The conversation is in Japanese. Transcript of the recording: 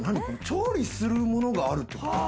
調理するものがあるってこと？